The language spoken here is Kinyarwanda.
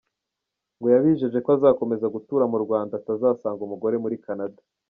Ngo yabijeje ko azakomeza gutura mu Rwanda atazasanga umugore muri Canada.